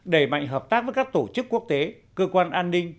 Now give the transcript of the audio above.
đẩy mạnh hợp tác với các tổ chức quốc tế cơ quan an ninh